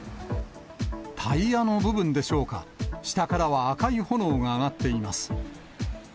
タイヤの部分でしょうか、下からは赤い炎が上がっています。